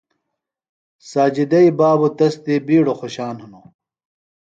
ساجدئی بابوۡ تس دی بِیڈوۡ خوشان ہِنوۡ۔